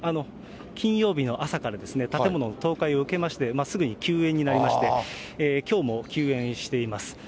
金曜日の朝からですね、建物の倒壊を受けまして、すぐに休園になりまして、きょうも休園しています。